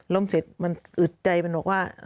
เสร็จมันอึดใจมันบอกว่า